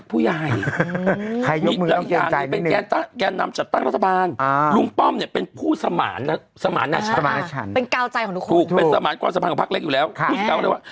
เป็นสมารกว่าสะพานของภาคเล็กอยู่แล้วพูดเขาเลยว่า